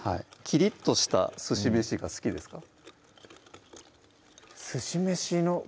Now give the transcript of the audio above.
きりっとしたすし飯が好きですか？